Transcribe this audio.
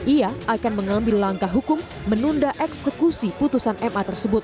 ia akan mengambil langkah hukum menunda eksekusi putusan ma tersebut